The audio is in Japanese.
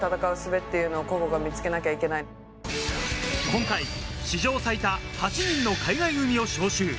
今回、史上最多８人の海外組を招集。